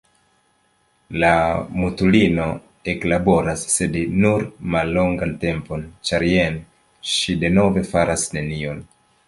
La mutulino eklaboras, sed nur mallongan tempon, ĉar jen ŝi denove faras nenion.